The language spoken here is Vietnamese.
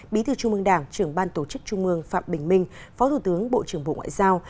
bí thư trung mương đảng trưởng ban tổ chức trung mương phạm bình minh phó thủ tướng bộ trưởng bộ ngoại giao